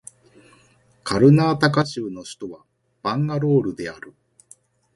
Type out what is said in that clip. カルナータカ州の州都はバンガロールである